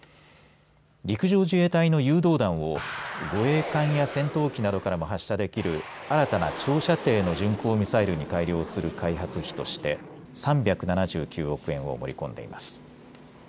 陸上自衛隊の誘導弾を護衛艦や戦闘機などからも発射できる新たな長射程の巡航ミサイルに改良する開発費として３７９億円を盛り込んでいます。